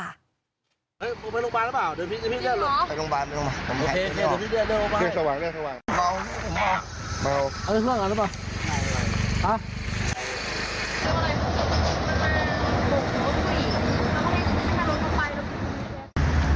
ที่รถเอาใจยันเวียด